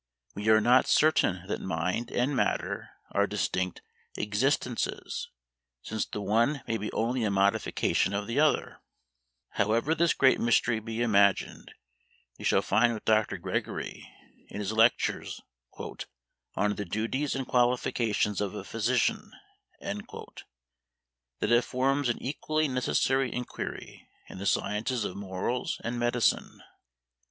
We are not certain that mind and matter are distinct existences, since the one may be only a modification of the other; however this great mystery be imagined, we shall find with Dr. Gregory, in his lectures "on the duties and qualifications of a physician," that it forms an equally necessary inquiry in the sciences of morals and of medicine.